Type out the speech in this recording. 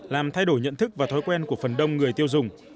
làm thay đổi nhận thức và thói quen của phần đông người tiêu dùng